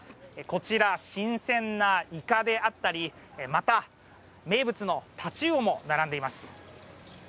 こちら、新鮮なイカであったりまた、名物のタチウオも並んでいます。